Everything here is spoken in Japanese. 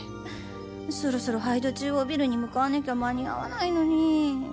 そろそろ杯戸中央ビルに向かわなきゃ間に合わないのに